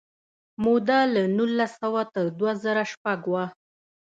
موده له نولس سوه تر دوه زره شپږ وه.